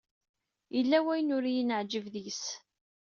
Yella wayen ur yi-neɛǧib deg-s.